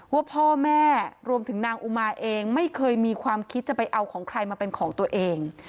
ว่าพ่อแม่รวมถึงนางอุมาเองไม่เคยมีความคิดจะไปเอาของใครมาเป็นของตัวเอง